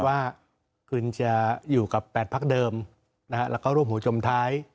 ว่าคุณจะอยู่กับ๘พักเดิมแล้วก็ร่วมหูจมท้าย